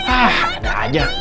ah ada aja